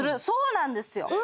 そうなんですよ。